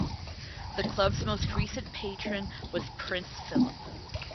The clubs most recent patron was Prince Philip.